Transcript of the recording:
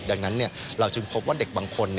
ดังนั้นเราจึงพบว่าเด็กบางคน